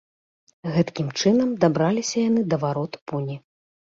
Гэткім чынам дабраліся яны да варот пуні.